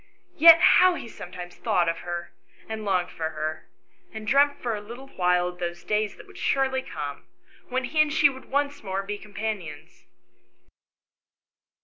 Yet how he sometimes thought of her, and longed for her, and dreamt for a little while of those days that would surely come, when he and she would once more be companions